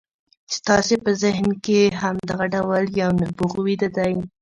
ستاسې په ذهن کې هم دغه ډول یو نبوغ ویده دی